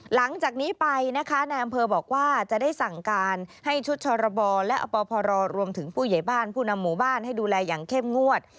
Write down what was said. หลังจากนี้ไปนะคะนายอำเภอบอกว่าจะได้สั่งการให้ชุดชรบและอปพรรวมถึงผู้ใหญ่บ้านผู้นำหมู่บ้านให้ดูแลอย่างเข้มงวด